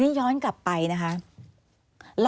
อันดับ๖๓๕จัดใช้วิจิตร